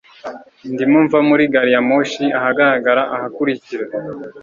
Ndimo mva muri gari ya moshi ahagarara ahakurikira.